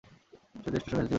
সেদিন স্টেশনে এসেছিলে তুমি।